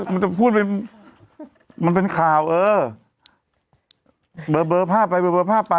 มันจะพูดไปมันเป็นข่าวเออเบอร์เบอร์ภาพไปเบอร์ภาพไป